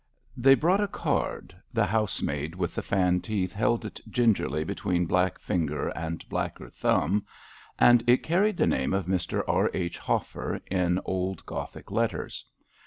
They brought a card — ^the housemaid with the fan teeth held it gingerly between black finger and blacker thumb — ^and it carried the name Mr. E. H. Hoffer in old Gothic letters.